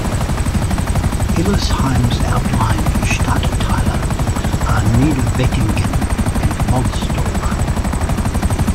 Hillesheim's outlying "Stadtteile" are Niederbettingen and Bolsdorf.